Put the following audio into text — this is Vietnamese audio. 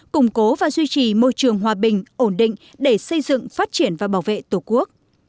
củng cố và duy trì môi trường hòa bình ổn định để xây dựng phát triển và bảo vệ tổ quốc